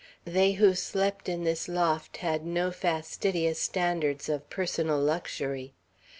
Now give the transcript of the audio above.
They who slept in this loft had no fastidious standards of personal luxury.